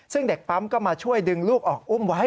ซึ่งเด็กปั๊มก็มาช่วยดึงลูกออกอุ้มไว้